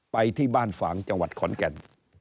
ไปที่บ้านฝางจังหวัดขอนแก่น